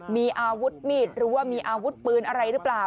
มีอาวุธมีดหรือว่ามีอาวุธปืนอะไรหรือเปล่า